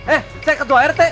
eh saya kedua rt